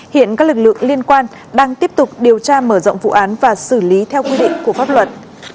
hiện các lực lượng liên quan đang tiếp tục điều tra mở rộng vụ án và xử lý theo quy định của pháp luật